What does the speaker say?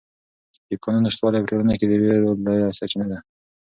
د قانون نشتوالی په ټولنه کې د وېرو لویه سرچینه ده.